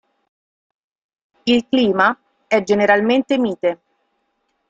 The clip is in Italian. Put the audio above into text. Il clima è generalmente mite.